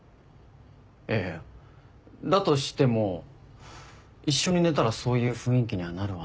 いやいやだとしても一緒に寝たらそういう雰囲気にはなるわな。